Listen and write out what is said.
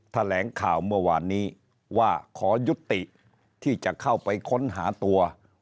แถลงข่าวเมื่อวานนี้ว่าขอยุติที่จะเข้าไปค้นหาตัว